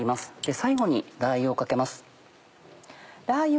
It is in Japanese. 最後にラー油を掛けます。